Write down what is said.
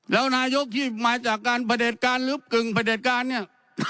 แล้วนายกที่มาจากการประเด็จการลึบกึ่งประเด็จการเนี่ย